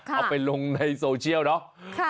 เอาไปลงในโซเชียลเนาะ